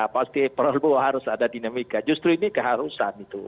pasti prabowo harus ada dinamika justru ini keharusan itu